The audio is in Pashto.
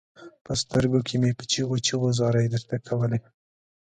په سترګو کې مې په چيغو چيغو زارۍ درته کولې.